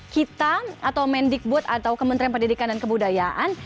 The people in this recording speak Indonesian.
kita atau mendikbud atau kementerian pendidikan dan kebudayaan